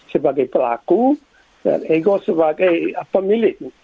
sebagai pelaku dan ego sebagai pemilik